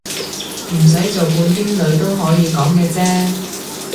唔使做半邊女都可以講嘅啫